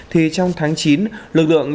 thì trong tháng chín lực lượng